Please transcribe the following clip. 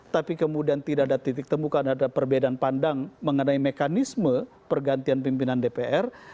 tapi kemudian tidak ada titik temukan ada perbedaan pandang mengenai mekanisme pergantian pimpinan dpr